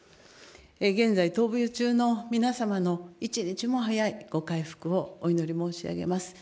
現在、闘病中の皆様の一日も早いご回復をお祈り申し上げます。